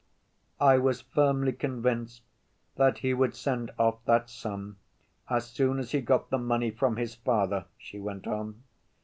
"I was firmly convinced that he would send off that sum as soon as he got money from his father," she went on.